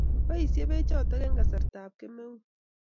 Boisie bechoto eng kasarta kemeut